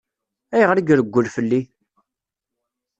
Ayɣer i ireggel fell-i?